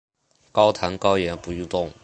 高糖高盐不运动